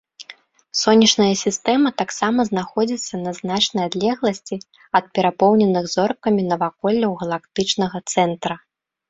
Сонечная сістэма таксама знаходзіцца на значнай адлегласці ад перапоўненых зоркамі наваколляў галактычнага цэнтра.